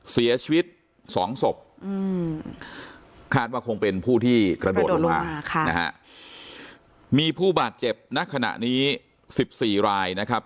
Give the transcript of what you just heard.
เสียชีวิตสองศพคาดว่าคงเป็นผู้ที่กระโดดลงมานะฮะมีผู้บาดเจ็บณขณะนี้๑๔รายนะครับ